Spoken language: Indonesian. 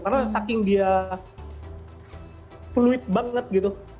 karena saking dia fluid banget gitu